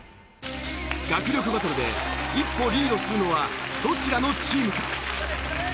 学力バトルで一歩リードするのはどちらのチームか？